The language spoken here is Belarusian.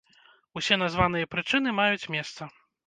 Усе названыя прычыны маюць месца.